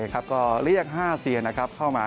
ก็เรียก๕เซียนเข้ามา